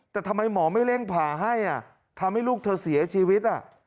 แต่ทำไมหมอไม่เร่งผ่าให้ทำให้ลูกเธอเสียชีวิต